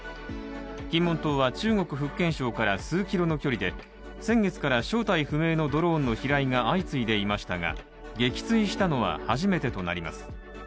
金門島は中国・福建省から数キロの距離で先月から正体不明のドローンの飛来が相次いでいましたが撃墜したのは初めてとなります。